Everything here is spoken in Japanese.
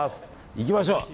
行きましょう。